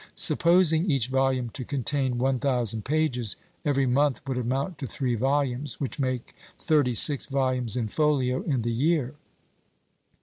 Supposing each volume to contain one thousand pages, every month would amount to three volumes, which make thirty six volumes in folio in the year.